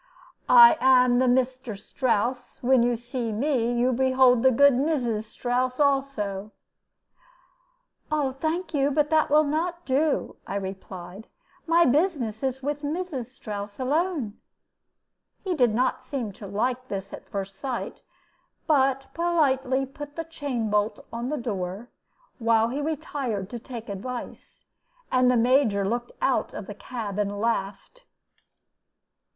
"I am the Meesther Strouss; when you see me, you behold the good Meeses Strouss also." "Thank you, but that will not do," I replied; "my business is with Mrs. Strouss alone." He did not seem to like this at first sight, but politely put the chain bolt on the door while he retired to take advice; and the Major looked out of the cab and laughed.